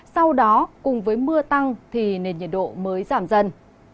sau đó cùng với mưa tăng thì nền nhiệt độ mới giảm dần